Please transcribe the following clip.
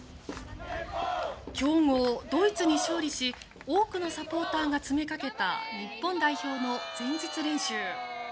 強豪ドイツに勝利し多くのサポーターが詰めかけた日本代表の前日練習。